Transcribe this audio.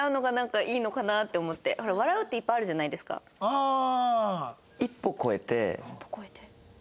ああ。